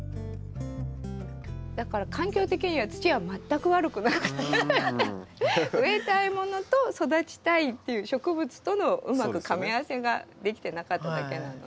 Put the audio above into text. だから環境的には土は全く悪くなくて植えたいものと育ちたいっていう植物とのうまくかみ合わせができてなかっただけなので。